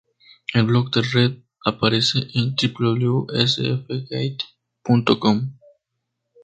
El blog de Reed aparece en www.sfgate.com.